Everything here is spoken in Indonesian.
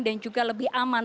dan juga lebih aman